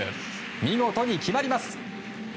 見事に決まります。